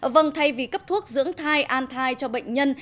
vâng thay vì cấp thuốc dưỡng thai an thai cho bệnh nhân